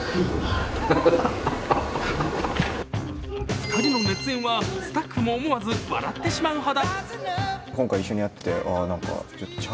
２人の熱演はスタッフも思わず笑ってしまうほど。